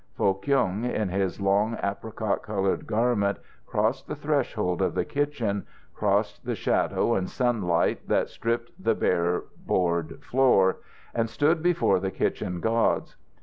Foh Kyung, in his long apricot coloured garment, crossed the threshold of the kitchen, crossed the shadow and sunlight that stripped the bare board floor, and stood before the kitchen gods.